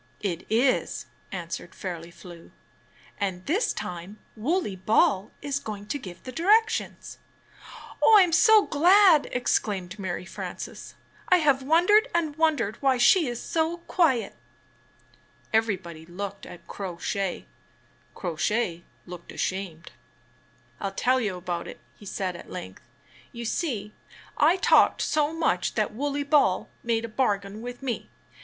"It is," answered Fairly Flew, "and this time Wooley Ball is going to give the directions." "Oh, I am so glad!" exclaimed Mary Frances. "I have wondered and wondered why she is so quiet." Everybody looked at Crow Shay. Crow Shay looked ashamed. TtS a "I'll tell you about it," he said at length. "You SW^^t^ro '^^®' I talked so much that Wooley Ball made a bar gain with me.